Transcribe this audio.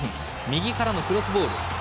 右からのクロスボール。